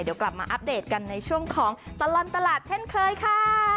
เดี๋ยวกลับมาอัปเดตกันในช่วงของตลอดตลาดเช่นเคยค่ะ